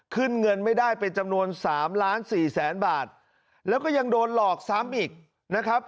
เงินไม่ได้เป็นจำนวนสามล้านสี่แสนบาทแล้วก็ยังโดนหลอกซ้ำอีกนะครับ